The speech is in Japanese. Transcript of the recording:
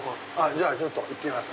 じゃあちょっといってきます。